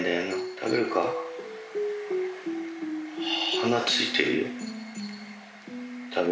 鼻ついてるよ。